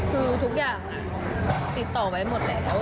คือทุกอย่างติดต่อไว้หมดแล้ว